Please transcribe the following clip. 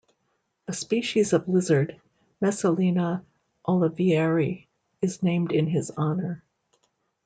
A species of lizard, "Mesalina olivieri", is named in his honor.